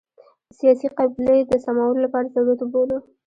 د سیاسي قبلې د سمولو لپاره ضرورت وبولو.